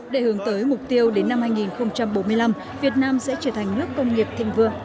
để hướng tới mục tiêu đến năm hai nghìn bốn mươi năm việt nam sẽ trở thành nước công nghiệp thịnh vượng